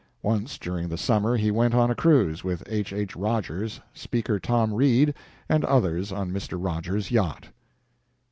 Once during the summer he went on a cruise with H. H. Rogers, Speaker "Tom" Reed, and others on Mr. Rogers's yacht.